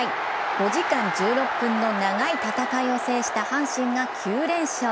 ５時間１６分の長い戦いを制した阪神が９連勝。